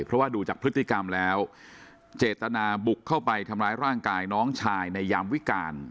เพราะว่าดูจากพฤติกรรมแล้วเจตนาบุกเข้าไปทำร้ายร่างกายน้องชายในยามวิการ